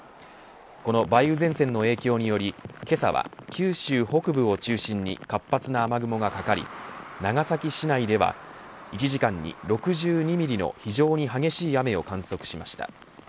この梅雨前線の影響によりけさは九州北部を中心に活発な雨雲がかかり長崎市内では１時間に６２ミリの非常に激しい雨を観測しました。